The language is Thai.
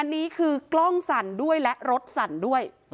อันนี้คือกล้องสั่นด้วยและรถสั่นด้วย